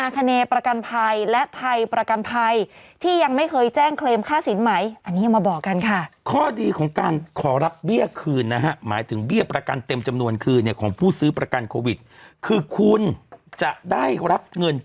ก็เป็นปกตินี้ครับทีมอันดับเหนือกว่าก็ต้องขึ้นก่อนสิครับ